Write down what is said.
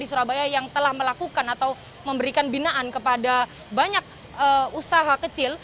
di surabaya yang telah melakukan atau memberikan binaan kepada banyak usaha kecil